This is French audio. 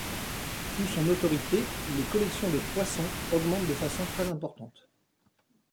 Sous son autorité, les collections de poissons augmentent de façon très importante.